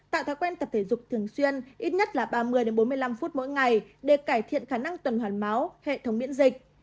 tạo thói quen tập thể dục thường xuyên ít nhất là ba mươi bốn mươi năm phút mỗi ngày để cải thiện khả năng tuần hoàn máu hệ thống miễn dịch